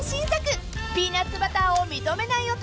［ピーナッツバターを認めない男